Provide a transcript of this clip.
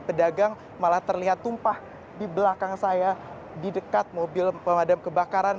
pedagang malah terlihat tumpah di belakang saya di dekat mobil pemadam kebakaran